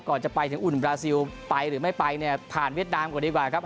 จะไปถึงอุ่นบราซิลไปหรือไม่ไปเนี่ยผ่านเวียดนามก่อนดีกว่าครับ